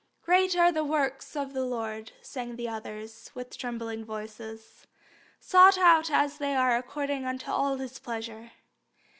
"Great are the works of the Lord," sang the others, with trembling voices, "sought out as they are according unto all His pleasure."